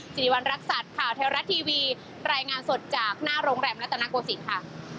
สิริวัณรักษัตริย์ข่าวเทวรัฐทีวีรายงานสดจากหน้าโรงแรมรัตนโกศิลป์ค่ะ